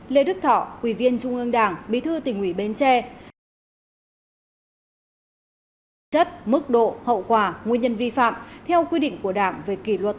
lê đức thọ quỳ viên trung ương đảng bí thư tỉnh ủy bến tre